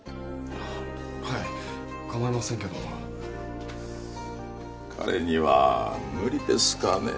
はいかまいませんけど彼には無理ですかねえ